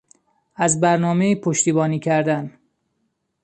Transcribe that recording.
از برنامهای پشتیبانی کردن